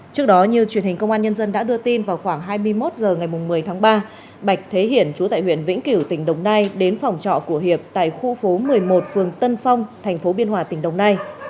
trước đó như truyền hình công an nhân dân đã đưa tin vào khoảng hai mươi một h ngày một mươi tháng ba bạch thế hiển chú tại huyện vĩnh kiểu tỉnh đồng nai đến phòng trọ của hiệp tại khu phố một mươi một phường tân phong tp biên hòa tỉnh đồng nai